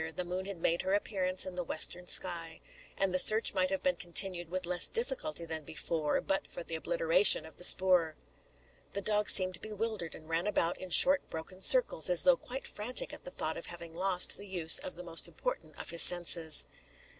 The moon had made her appearance in the western sky; and the search might have been continued with less difficulty than before, but for the obliteration of the spoor. The dog seemed bewildered, and ran about in short broken circles, as though quite frantic at the thought of having lost the use of the most important of his senses.